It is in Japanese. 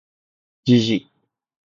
gg